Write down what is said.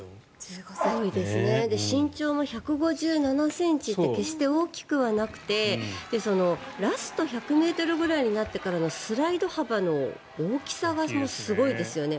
身長も１５７ｃｍって決して大きくはなくてラスト１００ｍぐらいになってからのスライド幅の大きさがすごいですよね。